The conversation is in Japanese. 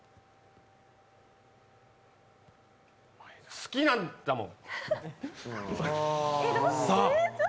好きなんだもん。